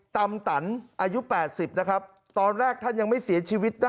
ตำตันอายุ๘๐นะครับตอนแรกท่านยังไม่เสียชีวิตนะ